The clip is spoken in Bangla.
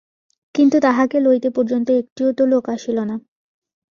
কিন্তু তাহাকে লইতে পর্যন্ত একটিও তো লােক আসিল না!